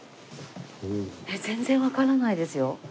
全然わからないですよ。